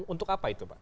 untuk apa itu pak